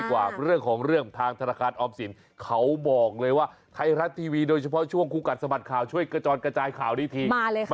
ก็เลยต้องไปกับเจ้านูน้อยวัยก้าวขวบ